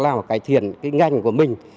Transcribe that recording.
làm cải thiện cái ngành của mình